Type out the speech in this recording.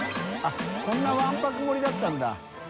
△こんなわんぱく盛りだったんだ。